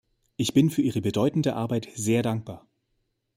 Ich bin für ihre bedeutende Arbeit sehr dankbar.